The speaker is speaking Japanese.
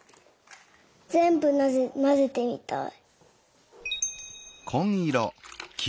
ぜんぶまぜてみたい。